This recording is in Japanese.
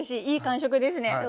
いい感触ですね。